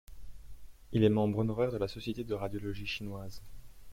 Il est membre honoraire de la Société de radiologie chinoise.